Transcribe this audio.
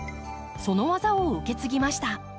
その技を受け継ぎました。